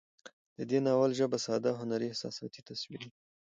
د دې ناول ژبه ساده، هنري، احساساتي، تصويري